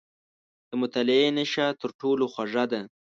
• د مطالعې نیشه تر ټولو خوږه ده.